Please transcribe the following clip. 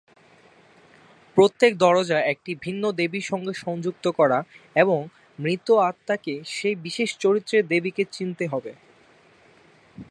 প্রত্যেক দরজা একটি ভিন্ন দেবীর সঙ্গে সংযুক্ত করা, এবং মৃত আত্মাকে সেই বিশেষ চরিত্রের দেবীকে চিনতে হবে।